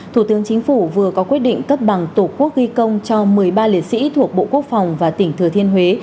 thủ tướng chính phủ vừa có quyết định cấp bằng tổ quốc ghi công cho một mươi ba liệt sĩ thuộc bộ quốc phòng và tỉnh thừa thiên huế